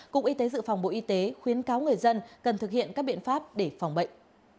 cục y tế dự phòng bộ y tế khuyến cáo người dân cần thực hiện các biện pháp để phòng bệnh